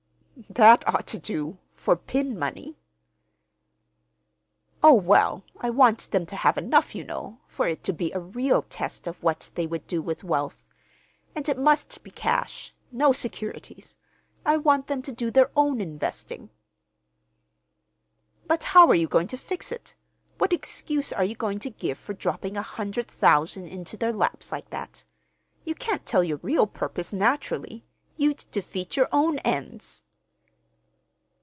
"That ought to do—for pin money." "Oh, well, I want them to have enough, you know, for it to be a real test of what they would do with wealth. And it must be cash—no securities. I want them to do their own investing." "But how are you going to fix it? What excuse are you going to give for dropping a hundred thousand into their laps like that? You can't tell your real purpose, naturally! You'd defeat your own ends."